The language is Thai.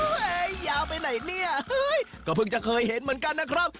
ยาวไปไหนเนี่ยก็เพิ่งจะเคยเห็นเหมือนกันนะครับ